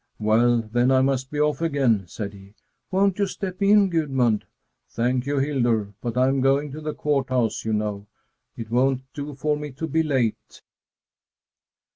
"Well, then, I must be off again," said he. "Won't you step in, Gudmund?" "Thank you, Hildur, but I'm going to the Court House, you know. It won't do for me to be late."